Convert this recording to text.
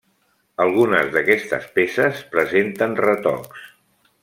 Algunes d’aquestes peces presenten retocs.